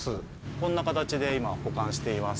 こんな形で今保管しています。